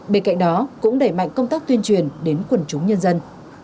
bên cạnh đó cũng đẩy mạnh công tác tuyên truyền đến quần chúng nhân dân